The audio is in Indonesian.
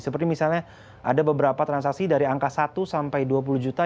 seperti misalnya ada beberapa transaksi dari angka satu sampai dua puluh juta